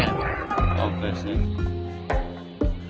ya di situ